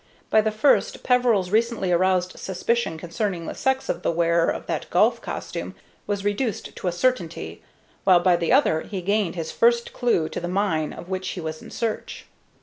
By the first Peveril's recently aroused suspicion concerning the sex of the wearer of that golf costume was reduced to a certainty, while by the other he gained his first clue to the mine of which he was in search.